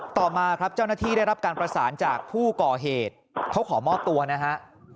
ต่อมาครับเจ้าหน้าที่ได้รับการประสานจากผู้ก่อเหตุเขาขอมอบตัวนะฮะ